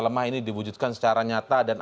lemah ini diwujudkan secara nyata dan